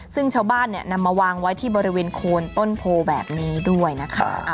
ซึ่งชาวบ้านนำมาวางไว้ที่บริเวณโคนต้นโพแบบนี้ด้วยนะคะ